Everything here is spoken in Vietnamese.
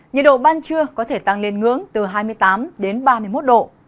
nhiệt độ ban trưa có thể tăng lên ngưỡng từ hai mươi tám đến ba mươi một độ